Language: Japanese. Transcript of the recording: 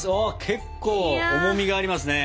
結構重みがありますね。